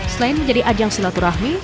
selain menjadi ajang silaturahmi